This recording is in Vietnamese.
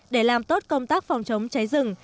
để làm tốt công tác phòng chống cháy rừng